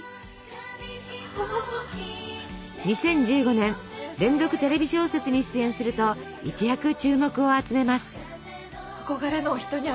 ２０１５年連続テレビ小説に出演すると一躍注目を集めます。